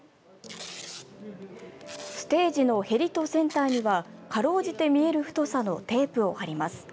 ステージのへりとセンターにはかろうじて見える太さのテープを貼ります。